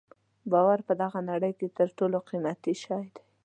باور په دغه نړۍ کې تر ټولو قیمتي شی دی.